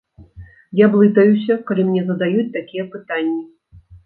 Я блытаюся, калі мне задаюць такія пытанні.